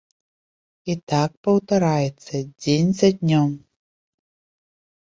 І так паўтараецца дзень за днём.